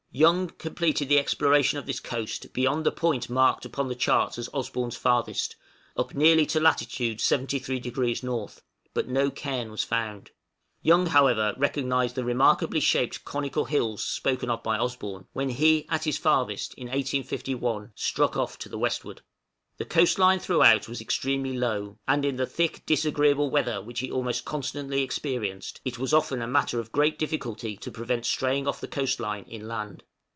Young completed the exploration of this coast beyond the point marked upon the charts as Osborn's farthest, up nearly to lat. 73° N., but no cairn was found. Young, however, recognized the remarkably shaped conical hills spoken of by Osborn, when he at his farthest, in 1851, struck off to the westward. The coast line throughout was extremely low; and in the thick disagreeable weather which he almost constantly experienced, it was often a matter of great difficulty to prevent straying off the coast line inland.